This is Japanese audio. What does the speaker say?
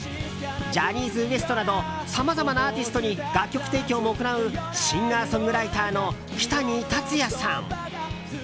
ジャニーズＷＥＳＴなどさまざまなアーティストに楽曲提供も行うシンガーソングライターのキタニタツヤさん。